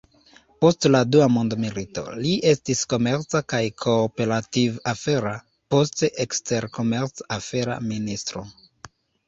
Post la dua mondmilito, li estis komerca kaj kooperativ-afera, poste eksterkomerc-afera ministro.